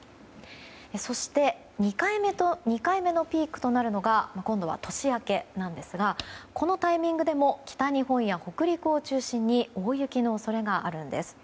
そして２回目のピークとなるのが今度は年明けなんですがこのタイミングでも北日本や北陸を中心に大雪の恐れがあるんです。